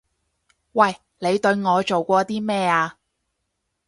喂！你對我做過啲咩啊？